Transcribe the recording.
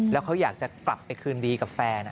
แล้วเขาอยากจะกลับไปคืนดีกับแฟน